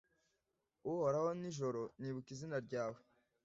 Uhoraho nijoro nibuka izina ryawe